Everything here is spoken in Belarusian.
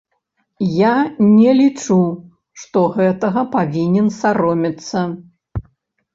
Я не лічу, што гэтага павінен саромецца.